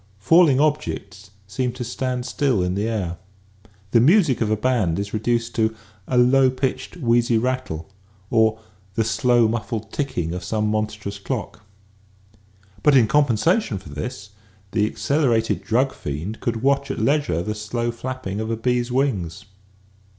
Falling objects seem to stand still in the air. The music of a band is reduced to " a low pitched, wheezy rattle " or " the slow muffled ticking of some monstrous clock." But in compensation for this the accelerated drug fiend could watch at leisure the slow flapping of a bee's wings.